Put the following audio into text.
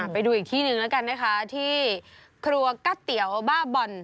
ไปดูอีกที่หนึ่งแล้วกันนะคะที่ครัวกะเตี๋ยวบ้าบ่อน